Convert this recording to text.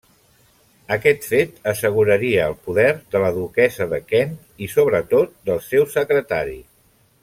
Aquest fet asseguraria el poder de la duquessa de Kent i sobretot del seu secretari.